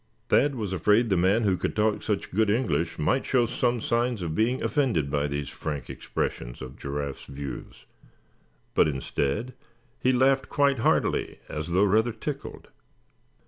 Thad was afraid the man who could talk such good English might show some signs of being offended by these frank expressions of Giraffe's views; but instead he laughed quite heartily, as though rather tickled.